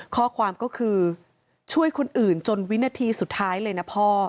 ข้อความก็คือช่วยคนอื่นจนวินาทีสุดท้ายเลยนะพ่อ